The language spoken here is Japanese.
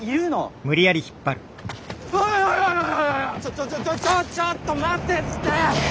ちょちょちょちょっと待てって！